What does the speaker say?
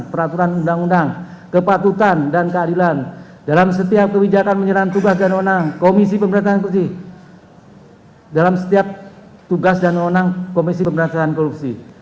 peraturan hukum dan kepentingan umum